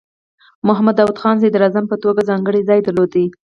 محمد داؤد خان د صدراعظم په توګه ځانګړی ځای درلود.